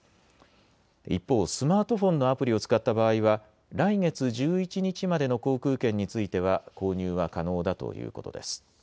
一方、スマートフォンのアプリを使った場合は来月１１日までの航空券については購入は可能だということです。